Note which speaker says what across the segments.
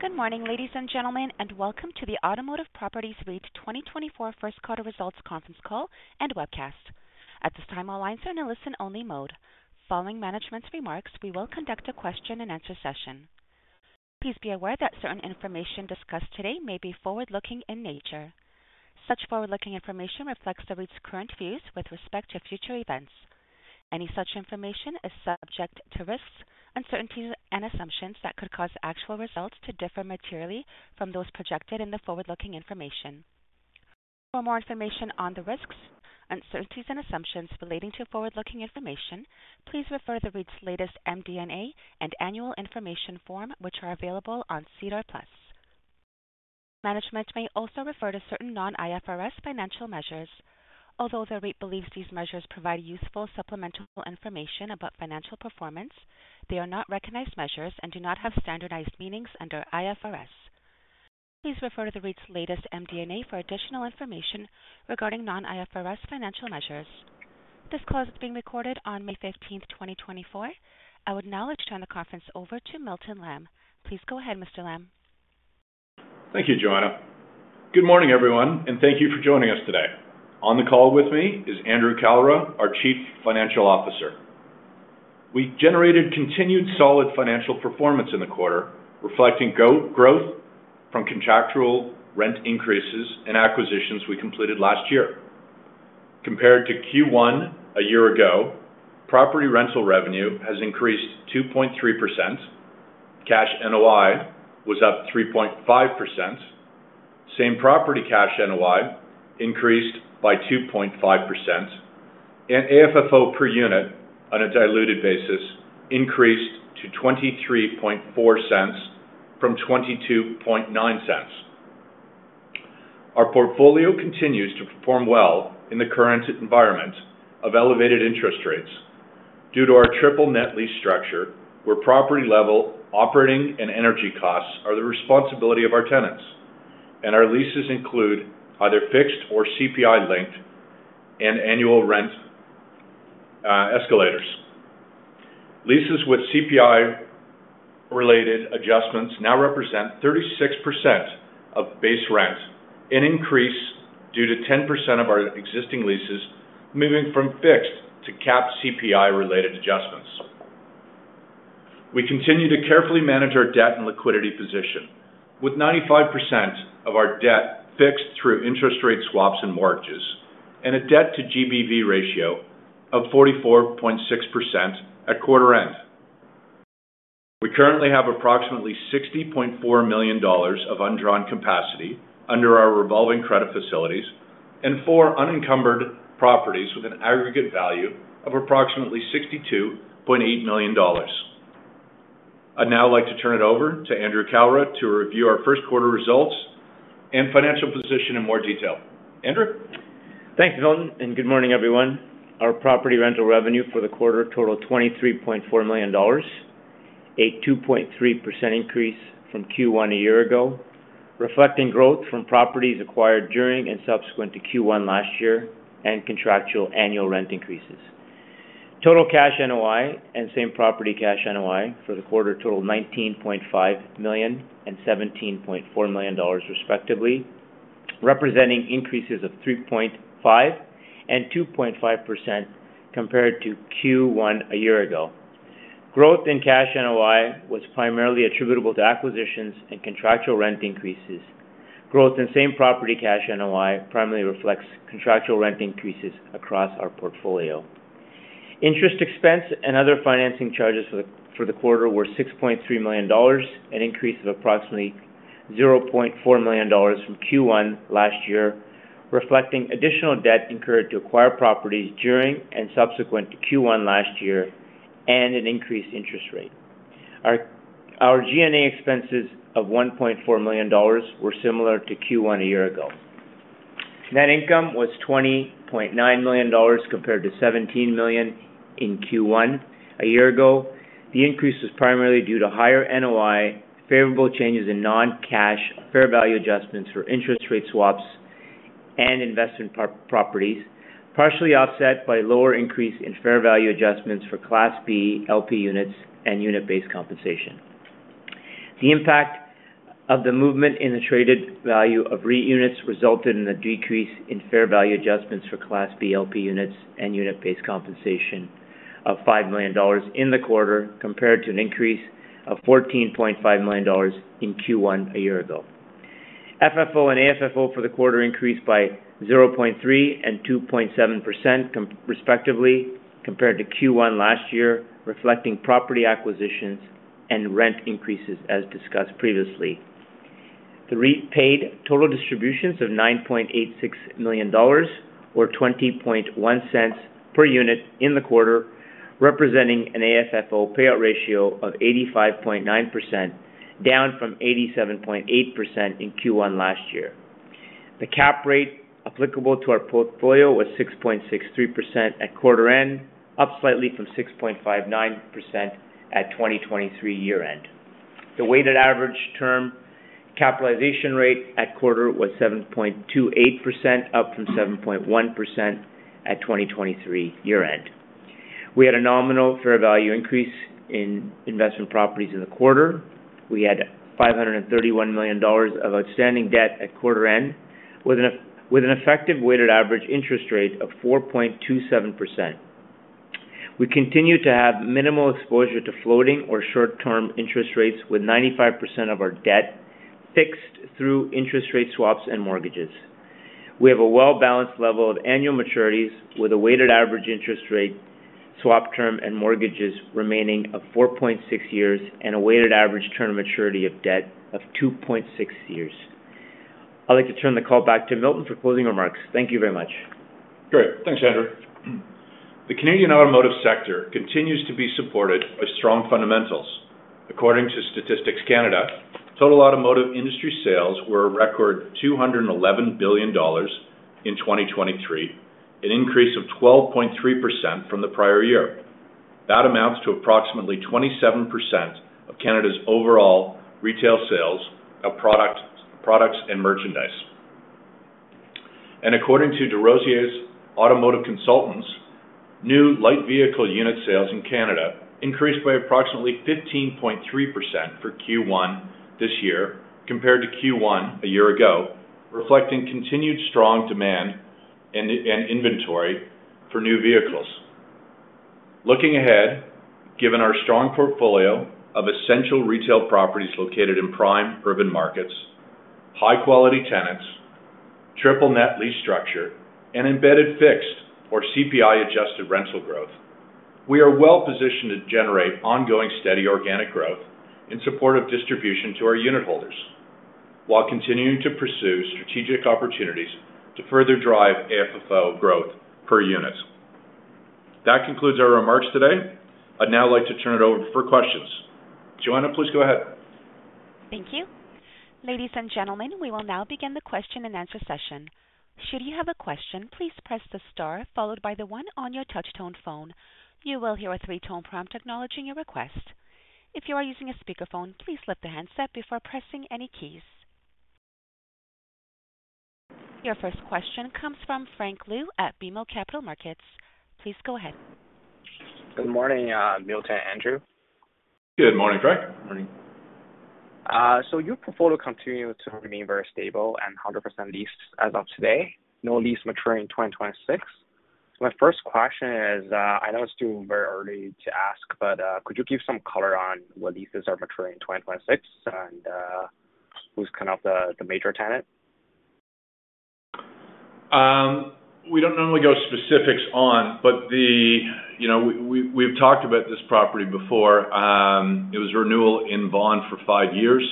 Speaker 1: Good morning, ladies and gentlemen, and welcome to the Automotive Properties REIT 2024 First Quarter Results Conference Call and webcast. At this time, all lines are in listen-only mode. Following management's remarks, we will conduct a question-and-answer session. Please be aware that certain information discussed today may be forward-looking in nature. Such forward-looking information reflects the REIT's current views with respect to future events. Any such information is subject to risks, uncertainties, and assumptions that could cause actual results to differ materially from those projected in the forward-looking information. For more information on the risks, uncertainties, and assumptions relating to forward-looking information, please refer to the REIT's latest MD&A and annual information form, which are available on SEDAR+. Management may also refer to certain non-IFRS financial measures. Although the REIT believes these measures provide useful supplemental information about financial performance, they are not recognized measures and do not have standardized meanings under IFRS. Please refer to the REIT's latest MD&A for additional information regarding non-IFRS financial measures. This call is being recorded on May 15, 2024. I would now like to turn the conference over to Milton Lamb. Please go ahead, Mr. Lamb.
Speaker 2: Thank you, Joanna. Good morning, everyone, and thank you for joining us today. On the call with me is Andrew Kalra, our Chief Financial Officer. We generated continued solid financial performance in the quarter, reflecting growth from contractual rent increases and acquisitions we completed last year. Compared to Q1 a year ago, property rental revenue has increased 2.3%. Cash NOI was up 3.5%. Same property cash NOI increased by 2.5%. And AFFO per unit, on a diluted basis, increased to 0.234 from 0.229. Our portfolio continues to perform well in the current environment of elevated interest rates. Due to our triple net lease structure, where property-level operating and energy costs are the responsibility of our tenants, and our leases include either fixed or CPI-linked and annual rent escalators, leases with CPI-related adjustments now represent 36% of base rent, an increase due to 10% of our existing leases moving from fixed to cap CPI-related adjustments. We continue to carefully manage our debt and liquidity position, with 95% of our debt fixed through interest rate swaps and mortgages, and a debt-to-GBV ratio of 44.6% at quarter-end. We currently have approximately 60.4 million dollars of undrawn capacity under our revolving credit facilities and four unencumbered properties with an aggregate value of approximately 62.8 million dollars. I'd now like to turn it over to Andrew Kalra to review our first quarter results and financial position in more detail. Andrew?
Speaker 3: Thanks, Milton, and good morning, everyone. Our property rental revenue for the quarter totaled 23.4 million dollars, a 2.3% increase from Q1 a year ago, reflecting growth from properties acquired during and subsequent to Q1 last year and contractual annual rent increases. Total cash NOI and same property cash NOI for the quarter totaled 19.5 million and 17.4 million dollars, respectively, representing increases of 3.5% and 2.5% compared to Q1 a year ago. Growth in cash NOI was primarily attributable to acquisitions and contractual rent increases. Growth in same property cash NOI primarily reflects contractual rent increases across our portfolio. Interest expense and other financing charges for the quarter were 6.3 million dollars, an increase of approximately 0.4 million dollars from Q1 last year, reflecting additional debt incurred to acquire properties during and subsequent to Q1 last year and an increased interest rate. Our G&A expenses of 1.4 million dollars were similar to Q1 a year ago. Net income was 20.9 million dollars compared to 17 million in Q1 a year ago. The increase was primarily due to higher NOI, favorable changes in non-cash fair value adjustments for interest rate swaps and investment properties, partially offset by lower increase in fair value adjustments for Class B LP units and unit-based compensation. The impact of the movement in the traded value of REIT units resulted in a decrease in fair value adjustments for Class B LP units and unit-based compensation of 5 million dollars in the quarter compared to an increase of 14.5 million dollars in Q1 a year ago. FFO and AFFO for the quarter increased by 0.3% and 2.7%, respectively, compared to Q1 last year, reflecting property acquisitions and rent increases as discussed previously. The REIT paid total distributions of 9.86 million dollars or 0.201 per unit in the quarter, representing an AFFO payout ratio of 85.9%, down from 87.8% in Q1 last year. The cap rate applicable to our portfolio was 6.63% at quarter-end, up slightly from 6.59% at 2023 year-end. The weighted average term capitalization rate at quarter was 7.28%, up from 7.1% at 2023 year-end. We had a nominal fair value increase in investment properties in the quarter. We had 531 million dollars of outstanding debt at quarter-end with an effective weighted average interest rate of 4.27%. We continue to have minimal exposure to floating or short-term interest rates, with 95% of our debt fixed through interest rate swaps and mortgages. We have a well-balanced level of annual maturities, with a weighted average interest rate swap term and mortgages remaining of 4.6 years and a weighted average term maturity of debt of 2.6 years. I'd like to turn the call back to Milton for closing remarks. Thank you very much.
Speaker 2: Great. Thanks, Andrew. The Canadian automotive sector continues to be supported by strong fundamentals. According to Statistics Canada, total automotive industry sales were a record 211 billion dollars in 2023, an increase of 12.3% from the prior year. That amounts to approximately 27% of Canada's overall retail sales of products and merchandise. According to DesRosiers Automotive Consultants, new light vehicle unit sales in Canada increased by approximately 15.3% for Q1 this year compared to Q1 a year ago, reflecting continued strong demand and inventory for new vehicles. Looking ahead, given our strong portfolio of essential retail properties located in prime urban markets, high-quality tenants, triple net lease structure, and embedded fixed or CPI-adjusted rental growth, we are well-positioned to generate ongoing steady organic growth in support of distribution to our unitholders while continuing to pursue strategic opportunities to further drive AFFO growth per unit. That concludes our remarks today. I'd now like to turn it over for questions. Joanna, please go ahead.
Speaker 1: Thank you. Ladies and gentlemen, we will now begin the question-and-answer session. Should you have a question, please press the star followed by the 1 on your touch-tone phone. You will hear a three-tone prompt acknowledging your request. If you are using a speakerphone, please lift the handset before pressing any keys. Your first question comes from Frank Liu at BMO Capital Markets. Please go ahead.
Speaker 4: Good morning, Milton and Andrew.
Speaker 2: Good morning, Frank. Good morning.
Speaker 4: Your portfolio continues to remain very stable and 100% leased as of today, no lease maturing 2026. My first question is I know it's too very early to ask, but could you give some color on what leases are maturing 2026 and who's kind of the major tenant?
Speaker 2: We don't normally go specifics on, but we've talked about this property before. It was renewal in Vaughan for five years.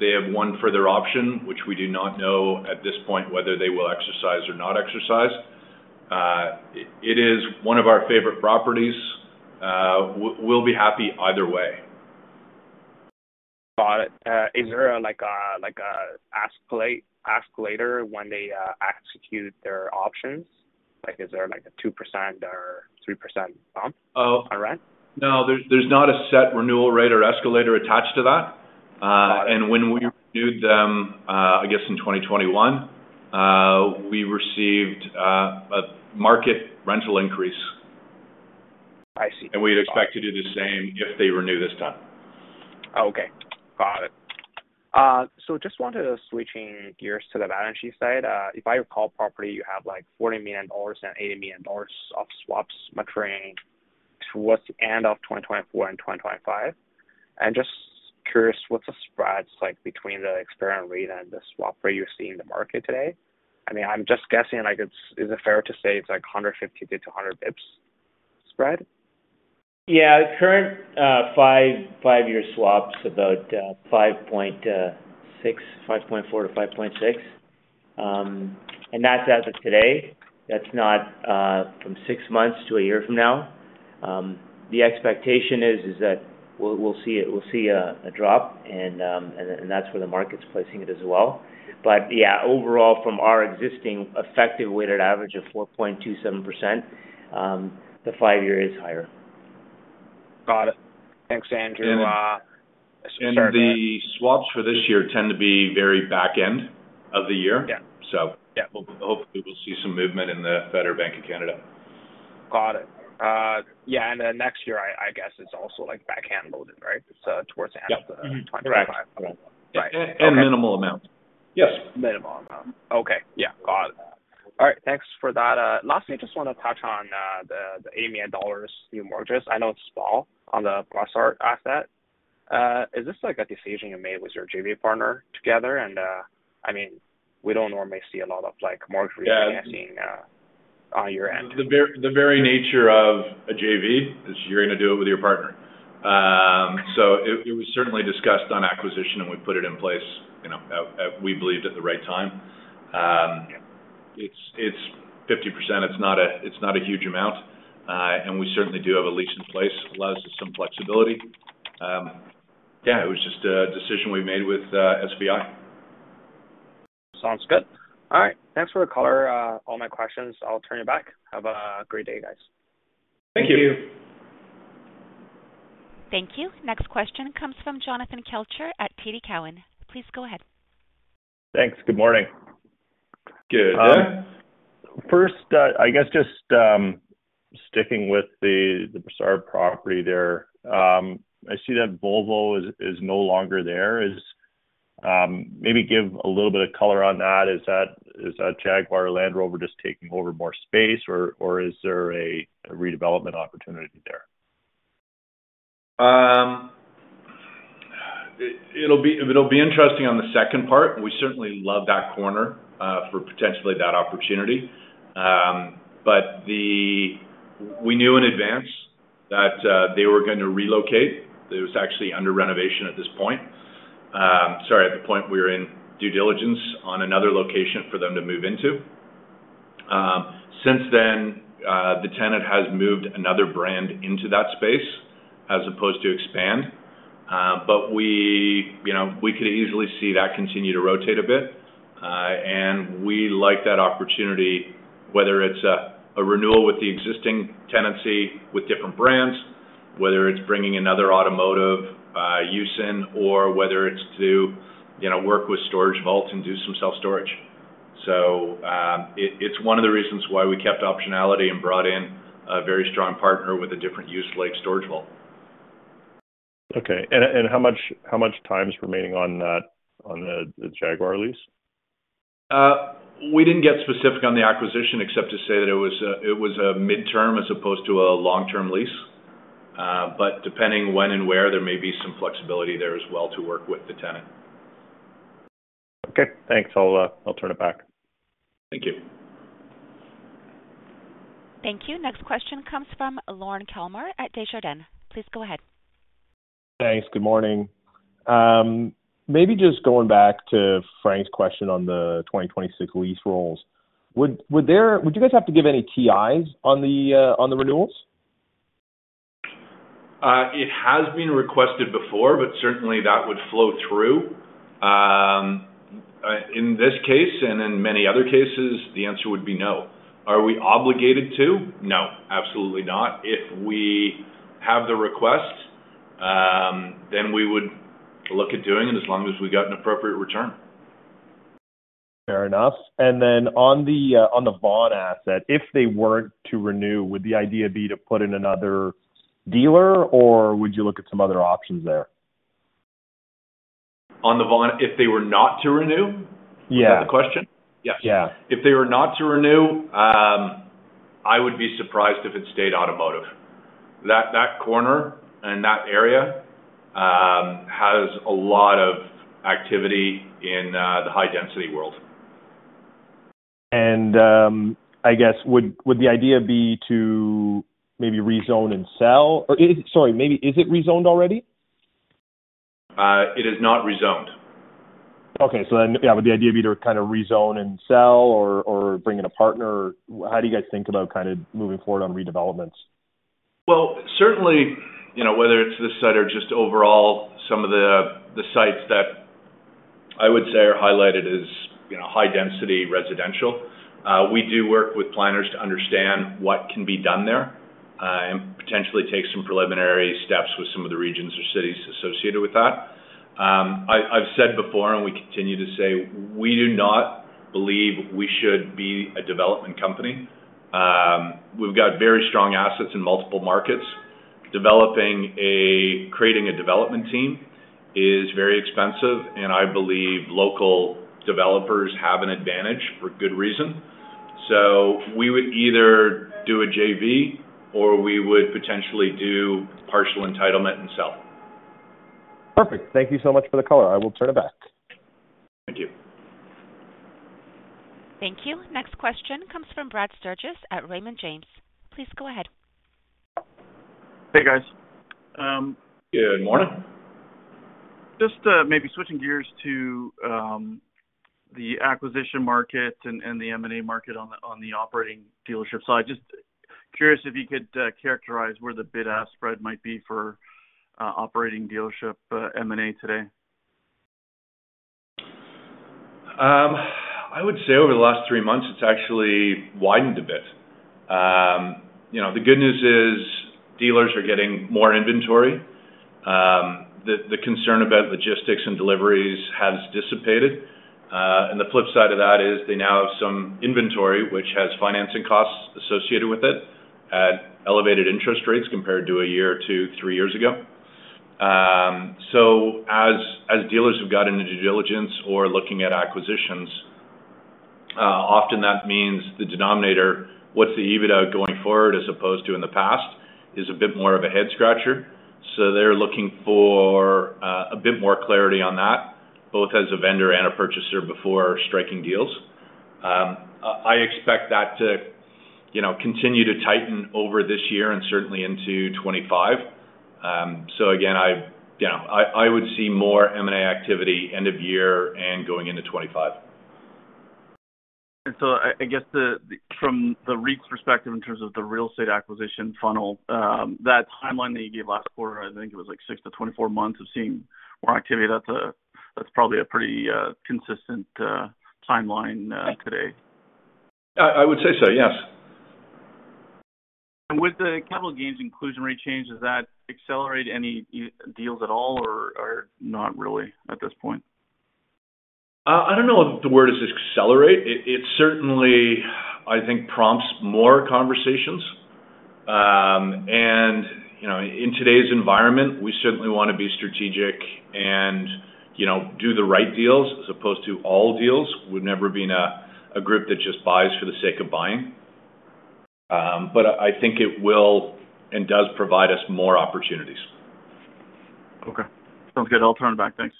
Speaker 2: They have one further option, which we do not know at this point whether they will exercise or not exercise. It is one of our favorite properties. We'll be happy either way.
Speaker 4: Got it. Is there an escalator when they execute their options? Is there a 2% or 3% bump on rent?
Speaker 2: No, there's not a set renewal rate or escalator attached to that. When we renewed them, I guess in 2021, we received a market rental increase. We'd expect to do the same if they renew this time.
Speaker 4: Okay. Got it. So just wanted to switch gears to the balance sheet side. If I recall, property, you have 40 million dollars and 80 million dollars of swaps maturing towards the end of 2024 and 2025. And just curious, what's the spread between the expiry rate and the swap rate you're seeing in the market today? I mean, I'm just guessing. Is it fair to say it's 150-200 basis points spread?
Speaker 3: Yeah. Current five-year swaps, about 5.4%-5.6%. That's as of today. That's not from 6 months to 1 year from now. The expectation is that we'll see a drop, and that's where the market's placing it as well. But yeah, overall, from our existing effective weighted average of 4.27%, the five-year is higher.
Speaker 4: Got it. Thanks, Andrew. Sorry about that.
Speaker 2: The swaps for this year tend to be very back-end of the year. So hopefully, we'll see some movement in the Bank of Canada.
Speaker 4: Got it. Yeah. And then next year, I guess it's also back-end loaded, right, towards the end of 2025.
Speaker 3: Correct. Correct.
Speaker 4: Right.
Speaker 2: Minimal amount. Yes.
Speaker 4: Minimal amount. Okay. Yeah. Got it. All right. Thanks for that. Lastly, I just want to touch on the 80 million dollars new mortgages. I know it's small on the Brossard asset. Is this a decision you made with your JV partner together? And I mean, we don't normally see a lot of mortgage replacing on your end.
Speaker 2: The very nature of a JV is you're going to do it with your partner. So it was certainly discussed on acquisition, and we put it in place, we believe, at the right time. It's 50%. It's not a huge amount. We certainly do have a lease in place. It allows us some flexibility. Yeah, it was just a decision we made with SVI.
Speaker 4: Sounds good. All right. Thanks for the caller. All my questions. I'll turn you back. Have a great day, guys.
Speaker 2: Thank you.
Speaker 3: Thank you.
Speaker 1: Thank you. Next question comes from Jonathan Kelcher at TD Cowen. Please go ahead.
Speaker 5: Thanks. Good morning.
Speaker 2: Good. Yeah.
Speaker 5: First, I guess just sticking with the Brossard property there, I see that Volvo is no longer there. Maybe give a little bit of color on that. Is that Jaguar Land Rover just taking over more space, or is there a redevelopment opportunity there?
Speaker 2: It'll be interesting on the second part. We certainly love that corner for potentially that opportunity. But we knew in advance that they were going to relocate. It was actually under renovation at this point. Sorry, at the point we were in due diligence on another location for them to move into. Since then, the tenant has moved another brand into that space as opposed to expand. But we could easily see that continue to rotate a bit. And we like that opportunity, whether it's a renewal with the existing tenancy with different brands, whether it's bringing another automotive use in, or whether it's to work with StorageVault and do some self-storage. So it's one of the reasons why we kept optionality and brought in a very strong partner with a different use like StorageVault.
Speaker 5: Okay. How much time is remaining on the Jaguar lease?
Speaker 2: We didn't get specific on the acquisition except to say that it was a midterm as opposed to a long-term lease. But depending when and where, there may be some flexibility there as well to work with the tenant.
Speaker 5: Okay. Thanks. I'll turn it back.
Speaker 2: Thank you.
Speaker 1: Thank you. Next question comes from Lorne Kalmar at Desjardins. Please go ahead.
Speaker 6: Thanks. Good morning. Maybe just going back to Frank's question on the 2026 lease rules, would you guys have to give any TIs on the renewals?
Speaker 2: It has been requested before, but certainly, that would flow through. In this case and in many other cases, the answer would be no. Are we obligated to? No, absolutely not. If we have the request, then we would look at doing it as long as we got an appropriate return.
Speaker 6: Fair enough. And then on the Vaughan asset, if they weren't to renew, would the idea be to put in another dealer, or would you look at some other options there?
Speaker 2: On the Vaughan, if they were not to renew?
Speaker 6: Yeah.
Speaker 2: Is that the question?
Speaker 6: Yeah.
Speaker 2: Yes. If they were not to renew, I would be surprised if it stayed automotive. That corner and that area has a lot of activity in the high-density world.
Speaker 6: I guess, would the idea be to maybe rezone and sell? Sorry, maybe is it rezoned already?
Speaker 2: It is not rezoned.
Speaker 6: Okay. So then, yeah, would the idea be to kind of rezone and sell or bring in a partner? How do you guys think about kind of moving forward on redevelopments?
Speaker 2: Well, certainly, whether it's this site or just overall some of the sites that I would say are highlighted as high-density residential, we do work with planners to understand what can be done there and potentially take some preliminary steps with some of the regions or cities associated with that. I've said before, and we continue to say, we do not believe we should be a development company. We've got very strong assets in multiple markets. Creating a development team is very expensive, and I believe local developers have an advantage for good reason. So we would either do a JV, or we would potentially do partial entitlement and sell.
Speaker 6: Perfect. Thank you so much for the color. I will turn it back.
Speaker 2: Thank you.
Speaker 1: Thank you. Next question comes from Brad Sturges at Raymond James. Please go ahead.
Speaker 7: Hey, guys.
Speaker 2: Good morning.
Speaker 7: Just maybe switching gears to the acquisition market and the M&A market on the operating dealership side. Just curious if you could characterize where the bid-ask spread might be for operating dealership M&A today?
Speaker 2: I would say over the last three months, it's actually widened a bit. The good news is dealers are getting more inventory. The concern about logistics and deliveries has dissipated. The flip side of that is they now have some inventory, which has financing costs associated with it at elevated interest rates compared to a year, two, three years ago. So as dealers have gotten into due diligence or looking at acquisitions, often that means the denominator, what's the EBITDA going forward as opposed to in the past, is a bit more of a head-scratcher. So they're looking for a bit more clarity on that, both as a vendor and a purchaser before striking deals. I expect that to continue to tighten over this year and certainly into 2025. So again, I would see more M&A activity end of year and going into 2025.
Speaker 7: And so I guess from the REIT's perspective in terms of the real estate acquisition funnel, that timeline that you gave last quarter, I think it was like 6-24 months of seeing more activity. That's probably a pretty consistent timeline today.
Speaker 2: I would say so. Yes.
Speaker 7: With the capital gains inclusion rate change, does that accelerate any deals at all or not really at this point?
Speaker 2: I don't know if the word is accelerate. It certainly, I think, prompts more conversations. In today's environment, we certainly want to be strategic and do the right deals as opposed to all deals. We've never been a group that just buys for the sake of buying. I think it will and does provide us more opportunities.
Speaker 7: Okay. Sounds good. I'll turn it back. Thanks.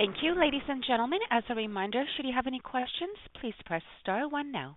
Speaker 1: Thank you, ladies and gentlemen. As a reminder, should you have any questions, please press star 1 now.